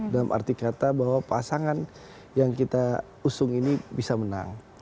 dalam arti kata bahwa pasangan yang kita usung ini bisa menang